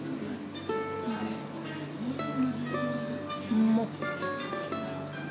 うまっ。